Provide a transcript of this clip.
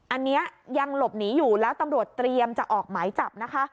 อันนี้ยังหลบหนีอยู่แล้วตำรวจเตรียมจะออกหมายจับนะคะ